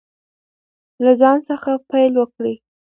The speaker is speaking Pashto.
له ځان څخه پیل وکړئ.